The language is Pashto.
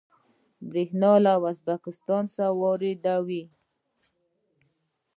بریښنا له ازبکستان واردوي